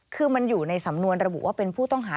คือมันอยู่ในสำนวนระบุว่าเป็นผู้ต้องหา